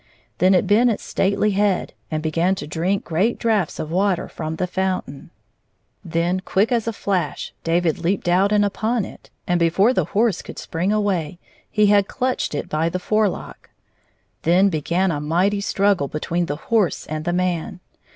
Then it bent its stately head, and began to drink great draughts of water from the fountain. Then, quick as a flash, David leaped out and upon it, and before the horse could spring away, he had clutched it l)y the forelock. Then began a mighty struggle between the horse and the man.